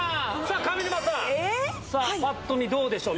上沼さんぱっと見どうでしょう？